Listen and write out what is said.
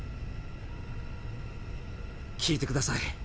「聞いてください。